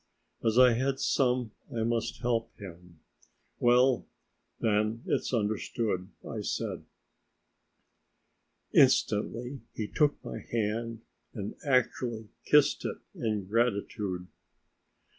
As I had some I must help him. "Well, then, it's understood," I said. Instantly he took my hand and actually kissed it in gratitude.